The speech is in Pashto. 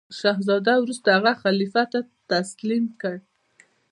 شهزاده وروسته هغه خلیفه ته تسلیم کړ.